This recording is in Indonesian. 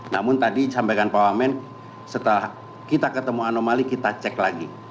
namun tadi sampaikan pak wamen setelah kita ketemu anomali kita cek lagi